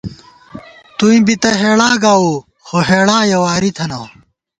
توئیں بی تہ ہېڑا گاؤو ، خو ہېڑا یَہ واری تھنہ